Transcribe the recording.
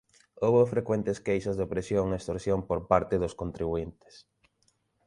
Houbo frecuentes queixas de opresión e extorsión por parte dos contribuíntes.